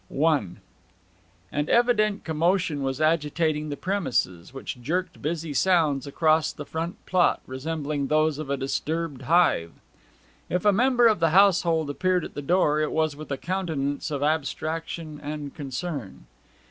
I An evident commotion was agitating the premises, which jerked busy sounds across the front plot, resembling those of a disturbed hive. If a member of the household appeared at the door it was with a countenance of abstraction and concern.